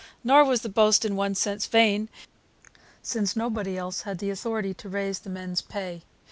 Nor was the boast, in one sense, vain, since nobody else had the authority to raise the men's pay.